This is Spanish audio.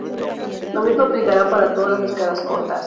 Lo mismo aplicará para todos las escalas cortas.